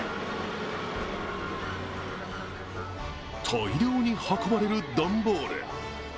大量に運ばれる段ボール。